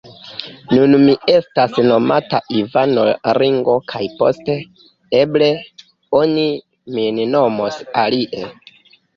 Nun mi estas nomata Ivano Ringo kaj poste, eble, oni min nomos alie.